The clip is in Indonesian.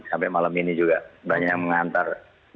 sampai malam ini juga banyak yang mengantar